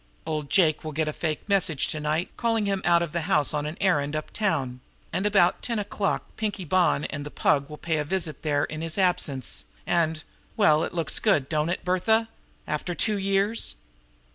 Old Jake will get a fake message to night calling him out of the house on an errand uptown; and about ten o'clock Pinkie Bonn and the Pug will pay a visit there in his absence, and well, it looks good, don't it, Bertha, after two years?"